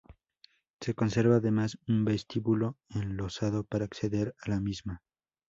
Se conserva además un vestíbulo enlosado para acceder a la misma.